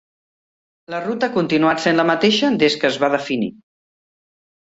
La ruta ha continuat sent la mateixa des que es va definir.